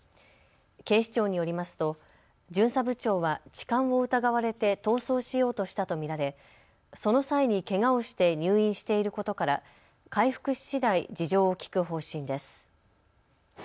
警視庁によりますと巡査部長は痴漢を疑われて逃走しようとしたと見られ、その際にけがをして入院していることから回復ししだい事情を聴く方針です。